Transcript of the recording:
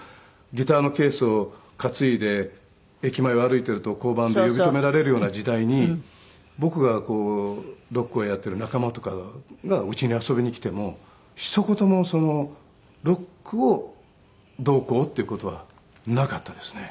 ギターのケースを担いで駅前を歩いていると交番で呼び止められるような時代に僕がロックをやっている仲間とかが家に遊びに来てもひと言もロックをどうこうっていう事はなかったですね。